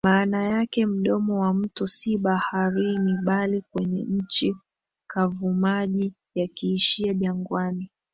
maana yake mdomo wa mto si baharini bali kwenye nchi kavumaji yakiishia jangwani